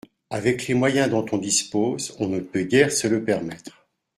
Avec les moyens dont on dispose, on ne peut guère se le permettre